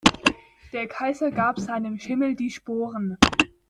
Der Kaiser gab seinem Schimmel die Sporen.